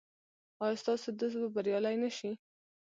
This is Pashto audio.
ایا ستاسو دوست به بریالی نه شي؟